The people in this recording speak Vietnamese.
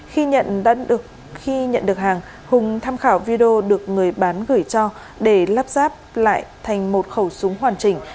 khi nhận được hàng hùng tham khảo video được người bán gửi cho để lắp ráp lại thành một khẩu súng hoàn chỉnh